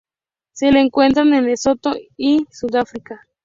Se la encuentra en Lesoto y Sudáfrica.